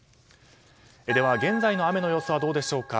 では現在の雨の様子はどうでしょうか。